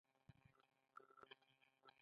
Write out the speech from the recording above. مې د کتلو هڅه هم و نه کړل، ما نه غوښتل.